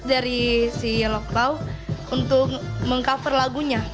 dari si yellow claw untuk meng cover lagunya